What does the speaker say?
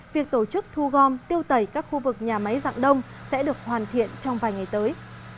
việc tổ chức thu gom tiêu tẩy các khu vực nhà máy dạng đông sẽ được hoàn thiện trong vài ngày tới